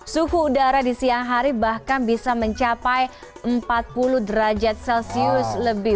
suhu udara di siang hari bahkan bisa mencapai empat puluh derajat celcius lebih